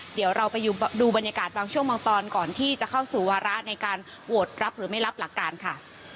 เดี๋ยวเราไปดูบรรยากาศบางช่วงบางตอนก่อนที่จะเข้าสู่วาระในการโหวตรับหรือไม่รับหลักการค่ะ